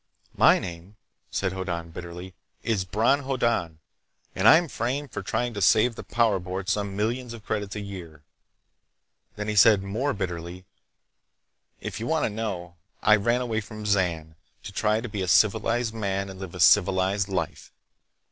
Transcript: "My name," said Hoddan bitterly, "is Bron Hoddan and I'm framed for trying to save the Power Board some millions of credits a year!" Then he said more bitterly: "If you want to know, I ran away from Zan to try to be a civilized man and live a civilized life.